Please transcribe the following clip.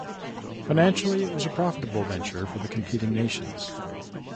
Financially it was a profitable venture for the competing nations.